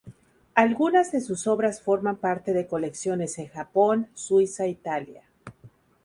Algunas de sus obras forman parte de colecciones en Japón, Suiza e Italia.